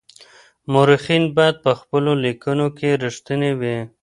مورخین باید په خپلو لیکنو کي رښتیني وي.